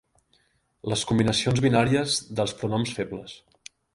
Les combinacions binàries dels pronoms febles.